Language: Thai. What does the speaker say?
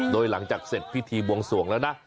โดยหลังจากเสร็จพิธีบวงสวงแล้วนะ